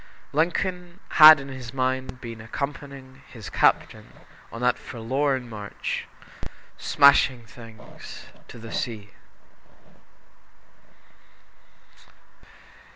Lincoln had in his mind been accompanying his captain on that forlorn march "smashing things" to the sea.